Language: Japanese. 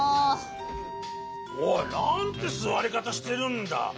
おいなんてすわりかたしてるんだ？